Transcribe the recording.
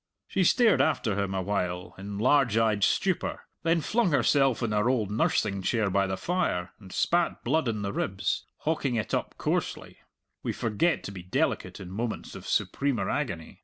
She stared after him a while in large eyed stupor, then flung herself in her old nursing chair by the fire, and spat blood in the ribs, hawking it up coarsely we forget to be delicate in moments of supremer agony.